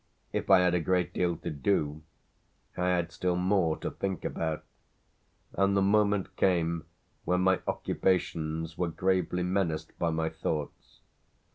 If I had a great deal to do I had still more to think about, and the moment came when my occupations were gravely menaced by my thoughts.